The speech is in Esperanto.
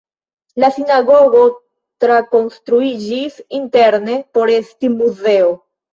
La sinagogo trakonstruiĝis interne por esti muzeo.